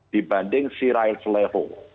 dibanding si rail sleho